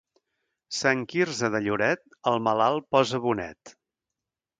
Sant Quirze de Lloret al malalt posa bonet.